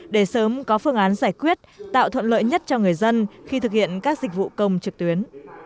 để sớm có phương án giải quyết tạo thuận lợi nhất cho người dân khi thực hiện các dịch vụ công trực tuyến